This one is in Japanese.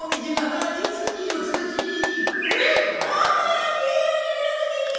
赤や黄色に色づき